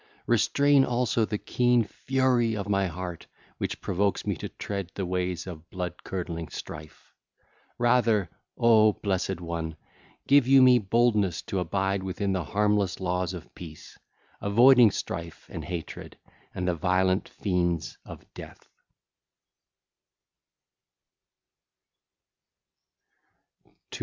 Restrain also the keen fury of my heart which provokes me to tread the ways of blood curdling strife. Rather, O blessed one, give you me boldness to abide within the harmless laws of peace, avoiding strife and hatred and the violent fiends of death.